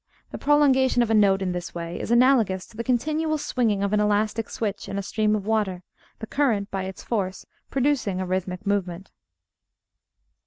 The prolongation of a note in this way is analogous to the continual swinging of an elastic switch in a stream of water, the current by its force producing a rhythmic movement.